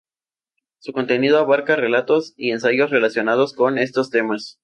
Su contenido abarca relatos y ensayos relacionados con estos temas.